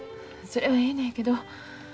それはええのやけど。